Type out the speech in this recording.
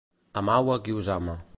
Amau a qui us ama.